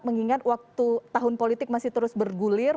mengingat waktu tahun politik masih terus bergulir